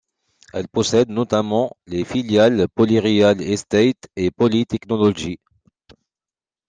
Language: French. Elle possède notamment les filiales Poly Real Estate et Poly Technologies.